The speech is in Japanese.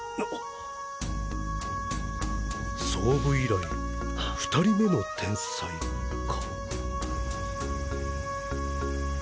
創部以来２人目の天才か。